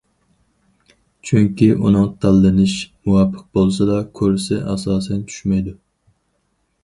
چۈنكى، ئۇنىڭ تاللىنىشى مۇۋاپىق بولسىلا كۇرسى ئاساسەن چۈشمەيدۇ.